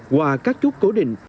qua các chút cố định